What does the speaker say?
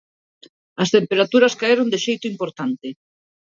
As temperaturas caeron de xeito importante.